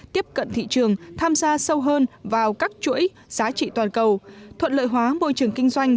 tiếp cận thị trường tham gia sâu hơn vào các chuỗi giá trị toàn cầu thuận lợi hóa môi trường kinh doanh